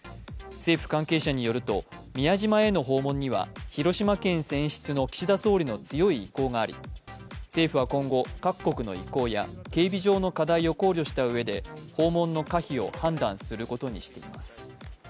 政府関係者によると、宮島への訪問には広島県選出の岸田総理の強い意向があり政府は今後、各国の意向や警備上の課題を考慮したうえで訪問の可否を判断することにしています。